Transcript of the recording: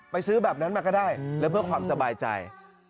ซื้อแบบนั้นมาก็ได้แล้วเพื่อความสบายใจ